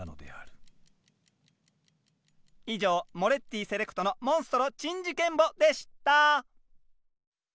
以上モレッティセレクトの「モンストロ珍事件簿」でした！